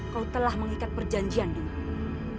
kau telah mengikat perjanjian dengan aku